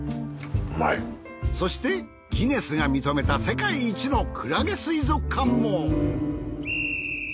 そしてギネスが認めた世界一のクラゲ水族館も。